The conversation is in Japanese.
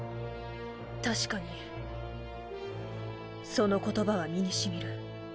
確かにその言葉は身に染みる。